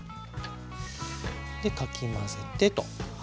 でかき混ぜてと。